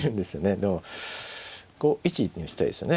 でも５一に打ちたいですよね